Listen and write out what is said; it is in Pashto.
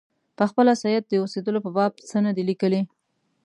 پخپله سید د اوسېدلو په باب څه نه دي لیکلي.